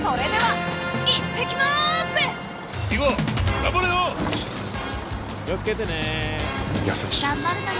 頑張るのよ。